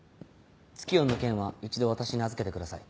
ツキヨンの件は一度私に預けてください。